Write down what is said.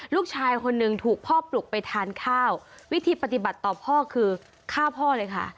ลูกชายคนหนึ่งถูกพ่อปลุกไปทานข้าววิธีปฏิบัติต่อพ่อคือฆ่าพ่อเลยค่ะ